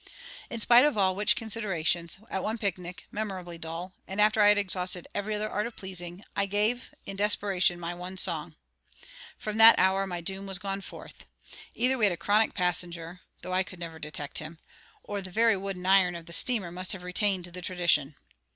In spite of all which considerations, at one picnic, memorably dull, and after I had exhausted every other art of pleasing, I gave, in desperation, my one song. From that hour my doom was gone forth. Either we had a chronic passenger (though I could never detect him), or the very wood and iron of the steamer must have retained the tradition.